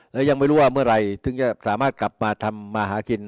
แล้วยังไม่รู้ว่าเมื่อไหร่ถึงจะสามารถกลับมาทำมาหากิน